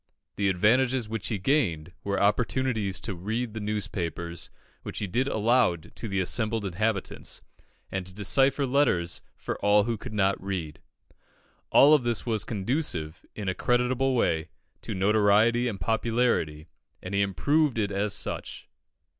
The advantages which he gained were opportunities to read the newspapers, which he did aloud to the assembled inhabitants, and to decipher letters for all who could not read. All of this was conducive, in a creditable way, to notoriety and popularity, and he improved it as such.